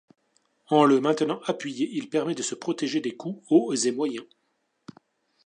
En le maintenant appuyé il permet de se protéger des coups hauts et moyens.